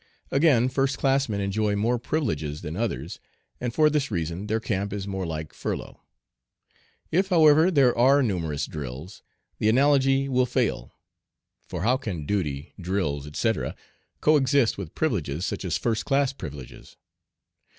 Again, first classmen enjoy more privileges than others, and for this reason their camp is more like furlough. If, however, there are numerous drills, the analogy will fail; for how can duty, drills, etc., coexist with privileges such as first class privileges?